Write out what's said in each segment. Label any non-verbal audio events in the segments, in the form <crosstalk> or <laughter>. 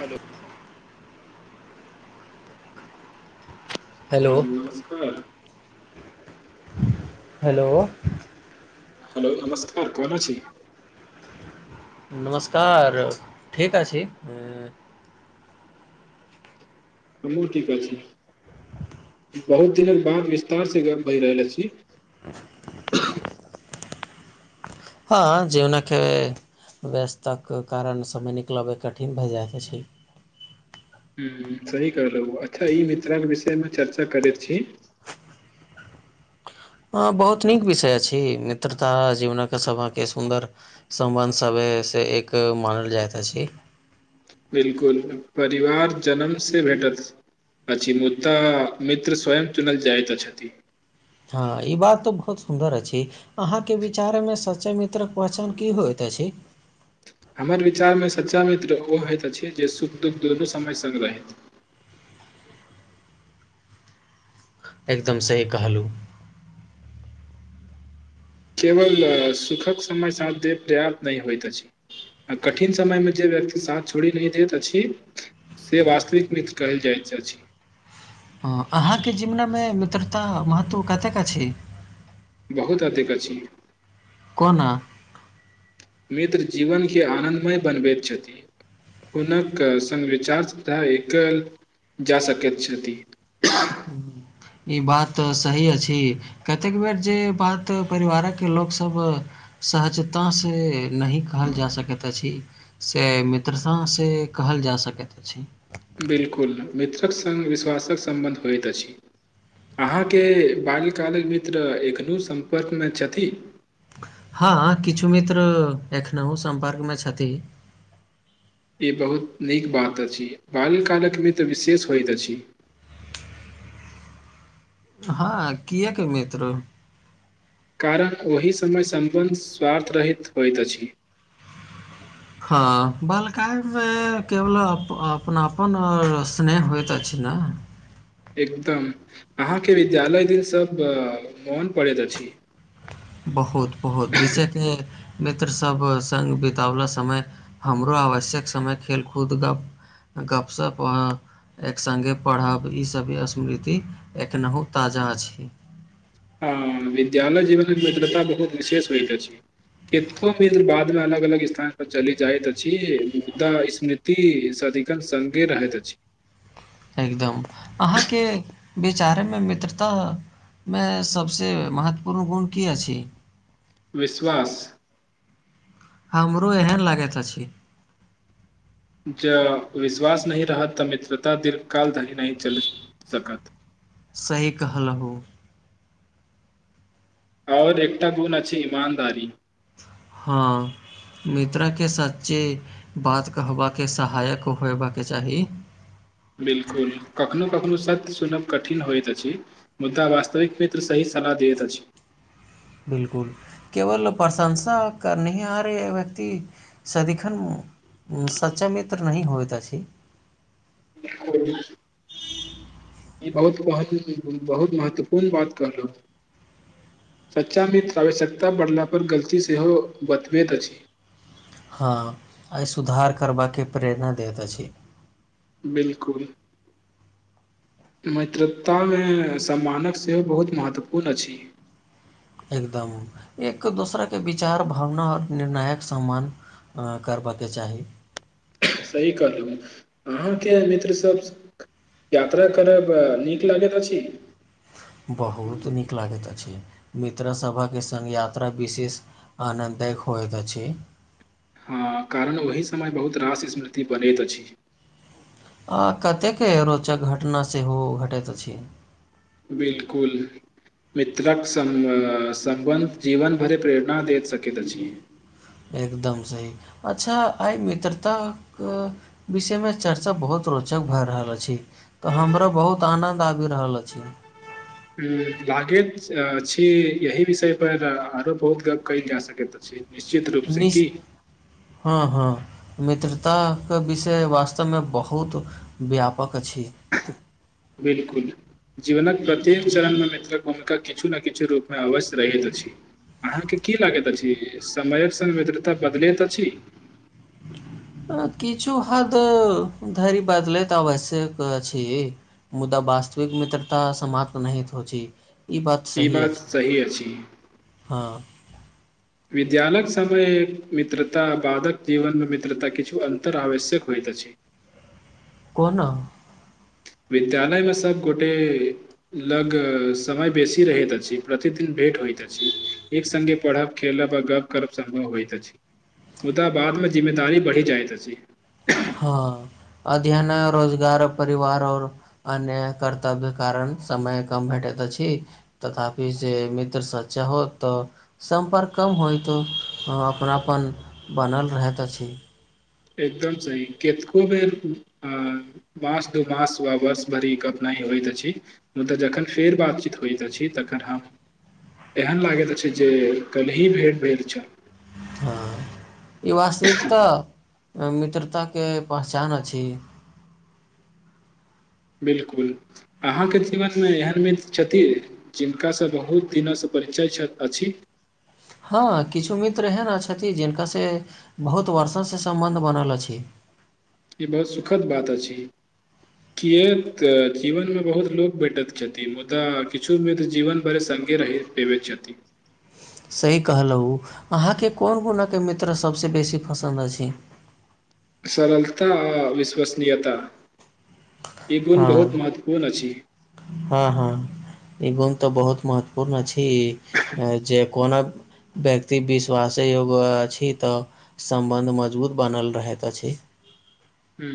hello hello नमस्कार hello hello नमस्कार कोन अछी नमस्कार ठीक अछि हमूँ ठीक अछी बहुत दिनक बाद विस्तार से बहि रहल छी हँ जे ओन खै व्यस्तक कारण समय निकलब कठिन भए जाइत छै <inaudible> सही करलहु अच्छा ई मित्राके विषयमे चर्चा करैत छी अ बहुत नीक विषय अछि मित्रता जीवनक के सब के सुन्दर सम्बन्ध सब से एक मानल जाइत अछि बिलकुल परिवार जनम से भेटत पछी मुद्दा मित्र स्वयं चुनल जाइतत छथि हँ ई बात तऽ बहुत सुन्दर अछि अहां के विचार में सच्चा मित्रक पहचान की होयत क्या छि <inaudible> हमर विचारमे सच्चा मित्र ओ होइत अछि जे सुख दुःख दुनू समय सङ्ग रहैत <inaudible> एकदम सही कहलहुँ केवल सुखक समय साथ जे पर्याप्त नहि होइत अछि आ कठिन समय मे जे व्यक्ति साथ छोड़ि नहि दैत अछि से वास्तविक मित कहल जाइत अछि हँ अहाँके जिमनामे मित्रता महतत्व कतेक छै बहुत अधिक अछी कोना मित्र जीवनके आनन्दमय बनबैत छथि हुनक सङ्ग विचार सँ एकल जा सकैत छथि ई बात सही अछि कतेक बेर जे बात परिवारक के ल सब सहजता से नहि कहल जा सकैत अछि से मित्र हँ से कहल जा सकैत अछि बिल्कुल मित्रक संग विश्वासक सम्बन्ध होइत अछि अहाँके बाल्यकालक मित्र एखनहु सम्पर्कमे छथि हँ किछु मित्र एखनहु सम्पर्कमे छथि ई बहुत नीक बात अछि बाल्यकालक मित्र विशेष होइत अछि हँ किएकि मित्र कारण ओहि समय सम्बन्ध स्वार्थरहित होइत अछि हँ बाल्यकालमे केवल अपनापन आओर स्नेह होइत अछि नै एकदम अहाँके विद्यालय दिनसभ मोन पड़ैत अछि बहुत-बहुत विशेष के मित्र सभ संग बिताओल समय हमरो आवश्यक समय खेलकूद गप्प गप्प-सप आ एक संगे पढ़ब ईसभ स्मृति एखनहु ताजा अछि हँ विद्यालय जीवनमे मित्रता बहुत विशेष होइत अछि केतबो भी बादमे अलग-अलग स्थान पर चलि जाइत अछि मुदा स्मृति अधिकांश संगे रहैत अछि एकदम अहाँके विचारमे मित्रता मे सभसँ महत्वपूर्ण गुण की अछि विश्वास हमरो एहन लागैत अछि जँ विश्वास नहि रहत तऽ मित्रता दीर्घ काल धरि नहि चलि सकत सही कहलहुँ आओर एकटा गुण अछि ईमानदारी हँ मित्रके सच्चे बात कहबाक सहायक होयबाक चाही बिलकुल कखनो-कखनो सत्य सुनब कठिन होइत अछि मुदा वास्तविक मित्र सही सलाह दैत अछि बिलकुल केवल प्रशंसा करनिहार व्यक्ति सदिखन सच्चा मित्र नहि होयत अछि होइत अछि ई बहुत-बहुत बहुत महत्वपूर्ण बात कहलहुँ सच्चा मित्र आवश्यकता पड़ला पर गलती सेहो बतबैत अछि हँ आ सुधार करबाके प्रेरणा दैत अछि बिलकुल मित्रतामे सम्मानक सेहो बहुत महत्वपूर्ण अछि एकदम एक दूसरा के विचार भावना आओर निर्णायक सम्मान करबयके चाही सही कहलहुँ अहाँके मित्र संग यात्रा करब नीक लागैत अछि बहुत नीक लागैत अछि मित्र सभके संग यात्रा विशेष आनन्द देखाबैत अछि हँ कारण ओही समय बहुत रास स्मृति बनैत अछि आ कतेको रोचक घटना सेहो घटैत अछि बिलकुल मित्रक संगमे सम्बन्ध जीवन भरिक प्रेरणा दैत सकैत अछि एकदम सही अच्छा आइ मित्रताक विषयमे चर्चा बहुत रो चक भए रहल अछि तऽ हमरा बहुत आनन्द आबि रहल अछि लागैत छी यही विषय पर आओरो बहुत गप्प कयल जा सकैत अछि निश्चित रूपसँ की निश हँ हँ मित्रताक के विषय वास्तवमे बहुत व्यापक छी बिलकुल जीवनक प्रत्येक चरणमे मित्रक भूमिका किछु ने किछु रूपमे अवश्य रहैत अछि अहाँके की लागैत अछि समयक संग मित्रता बदलैत अछि किछु हद धरि बदलैत आवश्यक अछि मुदा वास्तविक मित्रता समाप्त नहित होछी ई बात सही बात अछि सही अछि हँ विद्यालयक समयक मित्रता बादक जीवनमे मित्रता किछु अन्तर आवश्यक होइ अछि कोना विद्यालय मे सबगोटे लग समय बेसी रहैत अछि प्रतिदिन भेट होइत अछि एकसंगे पढ़ब खेलब आ गप करब सम्भव होइत अछि मुदा बादमे जिम्मेदारी बढ़ी जाइत अछि हँ अध्ययन रोजगार परिवार और अन्य कर्तव्य कारण समय कम भेटेत अछि तथापि जे मित्रसँ चाहो तऽ सम्पर्क कम होइतो हं अपनापन बनल रहैत अछि एकदम सही केतको बेर अ मास दू मास वा वर्ष भरिक अपना होइत अछि मुदा जखन फेर बातचीत होइत अछि तखन हम एहन लागैत अछि जे काल्हि भेट भेल छल हँ ई वास्तविकता मित्रताके पहचान अछि बिलकुल अहाँके जीवनमे एहन मित्र छथिन जिनकासँ बहुत दिनसँ परिचय छथ अछि हँ किछु मित्र एहन छथिन जिनका से बहुत वर्षौं से सम्बन्ध बनल अछि ई बहुत सुखद बात अछि कियै तऽ जीवनमे बहुत लोक भेटैत छथिन मुदा किछुमे तऽ जीवन भरे सं ंगे रहैत पबैत छथि सही कहलहु अहाँके कोन गुणाके मित्र सभसँ बेसी पसन्द अछि सरलता आ विश्वसनीयता ई गुण बहुत हँ महत्वपूर्ण अछि त बहुत महत्वपूर्ण अछि जे कोना व्यक्ति विश्वासे एगो अछि तऽ सम्बन्ध मजबूत बनल रहैत अछि <inaudible> ह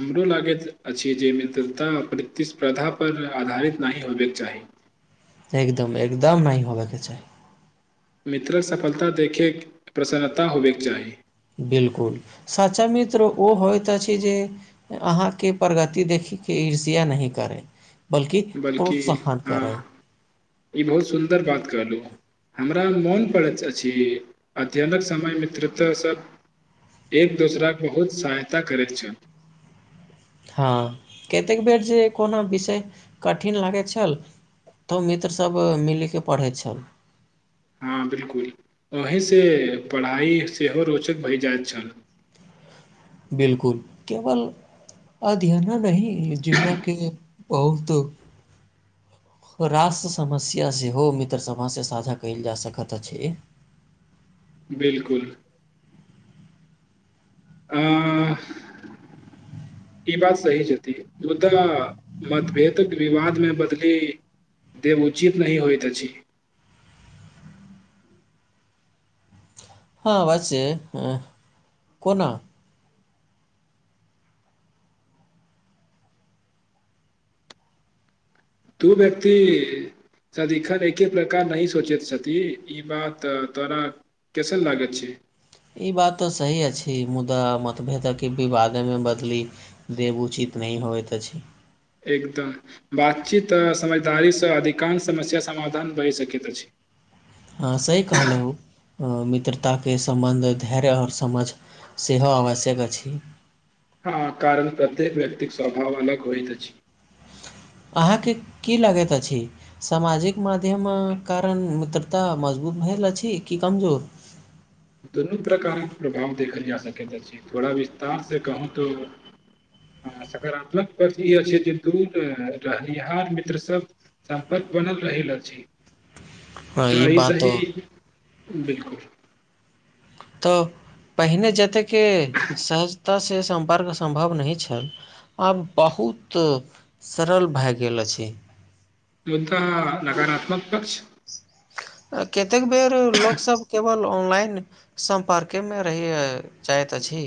हमरो लागैत अछि जे मित्रता प्रतिस्पर्धा पर आधारित नहि हो बैके चाही एकदम एकदम नहि होबे के चाहि मित्रक सफलता देखैके प्रसन्नता होबेके चाही बिलकुल सच्चा मित्र ओ होइत अछि जे अहाँके प्रगति देखि के इर्ष्या नहि करे बल्कि हँ ई बहुत सुन्दर बात कहलहु हमरा मोन पड़ैत अछि अध्ययनक समय मित्रत सभ एक दोसराके बहुत सहायता करैत छल हँ कतेक बेर जे कोनो विषय कठिन लागैत छल तऽ मित्रसभ मिलि कऽ पढ़ै छल हँ बिलकुल अहीसँ पढ़ाइ सेहो रोचक भय जाइत छल <inaudible> बिलकुल केवल अध्ययन नहि जिमरा के बहुत रास समस्या सेहो मित्र सभँसें साझा कयल जा सकैत अछि बिलकुल आ हँ ई बात सही जेती मुद्दा मतभेदक विवाद मे बदली देब उचित नहिं होई तची हँ ब छै कोना तू व्यक्त सदिखन एके प्रकार नहिह सोचैत छथि ई बात तोरा केैसन लागा छै ई बात ते सही अछि मुदा मतभेदक के विवादे मे बदली देब उचित न होइत छी एकदम बातचीत आ समझदारीसँ अधिकांश समस्या समाधान भए सकैत अछि हँ सही कहलहु मित्रताके सम्बन्ध धैर्य आओर समझ सेहो आवश्यक अछि हँ कारण प्रत्येक व्यक्तिक स्वभाव अलग होइत अछि अहाँके की लागैत अछि सामाजिक माध्यम कारण मित्रता मज भेल अछि की कमजोर <inaudible> दुनू प्रकारक प्रभाव देखल जा सकै त अछी थोड़ा विस्तार से कहू तो आ सकारात्मक पथ ई अछि जे दूर रहनिहार मित्रसभ सम्पर्क बनल रहल छी हँ तऽ ई एहिऐ बात सही तऽ बिलकुल तऽ पहिने जतेकके सहज तऽ से सम्पर्क सम्भव नहि छल आब बहुत सरल भए गेल अछि छी युद्ध नकाराात्मक पच कतेक बेर लोक सब केवल ऑनलाइन सम्पर्के मे रहैय जाइत अछि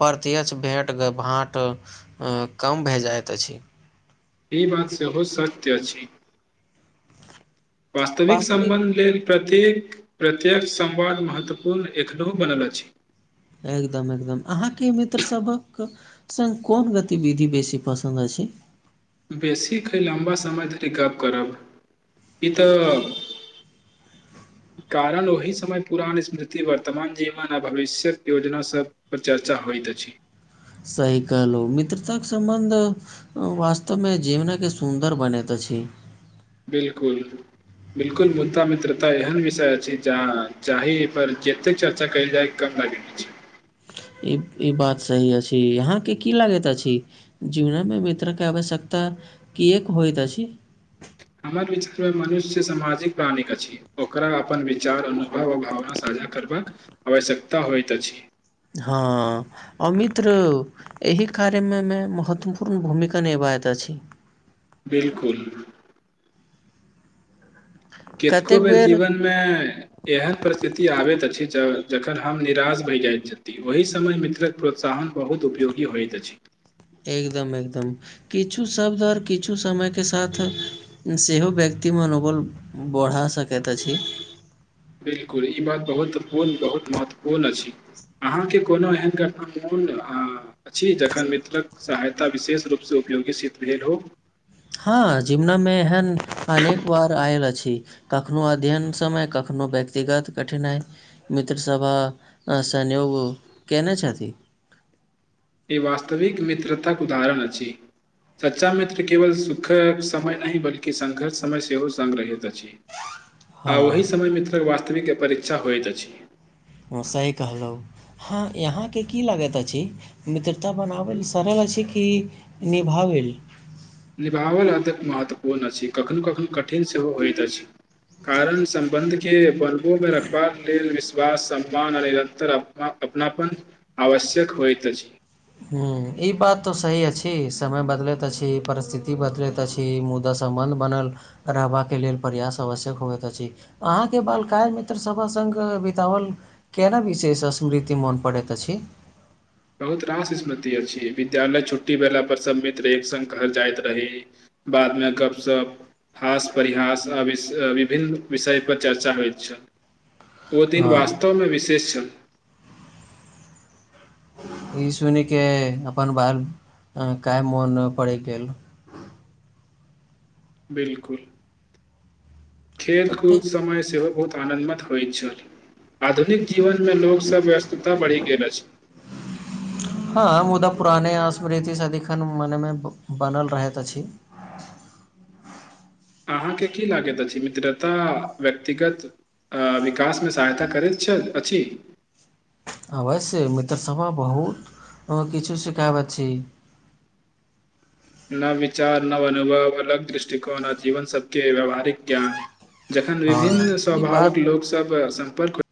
परतीच भेट भाँट कम भे जाइत अछि ई बात सेहो सत्यची वास्तविक संबन्ध लेल प्रत प्रत्येक समवाद महत्वपूर्ण एखनहु बनल अछि के संग कोन गतिविधि बेसी पसन्द अछि बेसीक ख लम्बा समय धरि गप्प करब ई तऽ कारण ओहि समय पुरान स्मृति वर्तमान जीवन आ भविष्यक योजना सब पर चर्चा होइ अछि सहि कहलहु मित्रताक सम्बन्ध वास्तव मे जीवन के सुन्दर बनैत अछि छी बिलकुल बिलकुल मुद्दा मित्रता एहन विषय अछि जा जाही पर जतेक चर्चा कयल जाय कम बाज अछि ई ई बात सही अछि अहाँ के की लागैत अछि जीवन मे मित्र के आवश्यकता किएक होइत अछि <inaudible> हमर विचारमे मनुष्य सामाजिक प्राणि अछि ओकरा अपन विचार अनुभव आ भावना साझा करबाक आवश्यकता होइत अछि हँ आ मित्र एहि कार्य मे मे महत्वपूर्ण भूमिका निभा बैत अछि बिलकुल केतको बेर जीवनमे एहन परिस्थिति आबैत अछि जखन हम निराश भए जाइत छथि ओहि समय मित्रक प्रोत्साहन बहुत उपयोगी होइत अछि एकदम, किछु शब्द ओर किछु समय के साथ सेहो व्यक्ति मनोबल बढ़ा सकैत अछि बिल्कुल ई बात महत्वपूर्ण बहुत महत्वपूर्ण अछि अहाँके कोनो एहन घटना मोन अछि जखन मित्रक सहायता विशेष रूपसे उपयोगी सिद्ध भेल हो हाँ जिमना मे एहन अनेक बार आयल अछि कखनो अध्ययन समय कखनो कोनो व्यक्तिगत कठिनाई मित्र सब सहयोग कैने छथि ई वास्तविक मित्रताक उदाहरण अछि सच्चा मित्र केवल सुखक समय नहि बल्कि संघर्ष समय सेहो सेहो संघ रहैत अछि आ ओहि हँ समय मित्र वास्तविक परीक्षा होइत अछि सही कहलहुँ हाँ यहाँके की लागैत अछि मित्रता बनाबैल सरल अछि की निभावेल निभावल अतेक महत्वपूर्ण अछि कखनो कखनो कठिन सेहो होइत अछि कारण संबन्ध के बलबो मे रखबाक लेल विश वा सम्मान निरतर अप अपनापन आवश्यक होइत अछि ह ई बात तऽ सही अछि समय बदलैत अछि परिस्थिति बदलैत अछि मुदा संबंध बनल रहबाके लेल प्रयास आवश्यक होइत अछि अहाँके बालकाय मित्र सब अ संग बिताबल केना विशेष स्मृति मोन पड़ैत अछि <inaudible> बहुत रास स्मृति अछि विद्यालय छुट्टी भेला पर सभ मित्र एक संग घर जाइत रही बादमे गपशप हास परिहास आ वि विभिन्न विषयपर चर्चा होइत छल ओ दिन हँ, वास्तवमे विशेष छल ई सुनि के अपन बाल काय मोन पड़य गेल <inaudible> बिल्कुल खेल तऽ ठीक, कूद समय सेहो बहुत आनन्दमत होइत छल आधुनिक जीवनमे लोक सब व्यस् ता बढि गेल अछि पुराने स्मृति सदिखन मनमे बनल रहैत अछि <inaudible> अहाँके की लागैत अछि मित्रता व्यक्तिगत विकासमे सहायता करैत छथि अछि आवशय मित्र सभा बहुत किछु सिखाबत छी <inaudible> न विचार नव अनुभव अलग दृष्टिकोण आ जीवन सत्य व्यवहारिक ज्ञान जखन हँ, विभिन्न ई बात स्वभावक लोकसब सम्पर्क